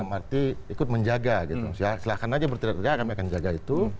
aja bertiga tiga kami akan jaga itu